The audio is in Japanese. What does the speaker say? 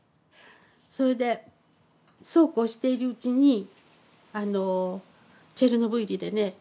それでそうこうしているうちにチェルノブイリでね